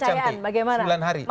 oke berikan kepercayaan bagaimana